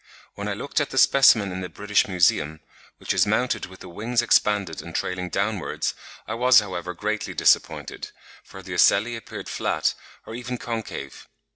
When I looked at the specimen in the British Museum, which is mounted with the wings expanded and trailing downwards, I was however greatly disappointed, for the ocelli appeared flat, or even concave.